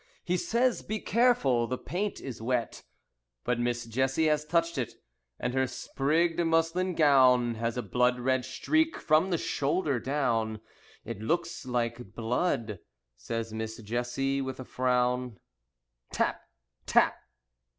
He says, "Be careful, the paint is wet." But Miss Jessie has touched it, her sprigged muslin gown Has a blood red streak from the shoulder down. "It looks like blood," says Miss Jessie with a frown. Tap! Tap!